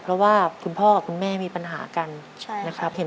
เพราะว่าคุณพ่อกับคุณแม่มีปัญหากันนะครับ